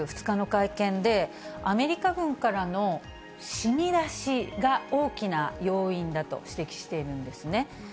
２日の会見で、アメリカ軍からの染み出しが大きな要因だと指摘しているんですね。